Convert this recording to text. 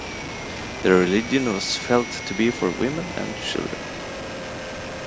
The religion was felt to be for women and children.